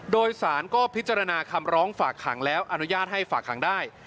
โดยสารก็พิจารณาคำร้องฝากขังแล้วอนุญาตให้ฝากขังได้